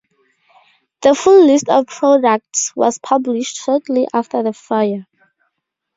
The full list of products was published shortly after the fire.